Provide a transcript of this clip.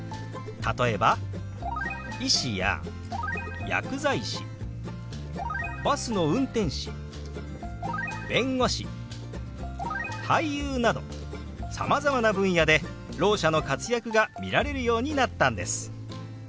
例えば医師や薬剤師バスの運転士弁護士俳優などさまざまな分野でろう者の活躍が見られるようになったんです。